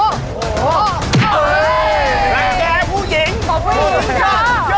โอ้โฮโอ้โฮโอ้โฮ